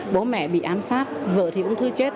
bố mẹ bị ám sát vợ thì ung thư chết